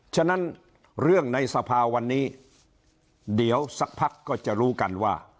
ฉะนั้นเรื่องในสภาวันนี้เดี๋ยวสักพักก็จะรู้กันว่า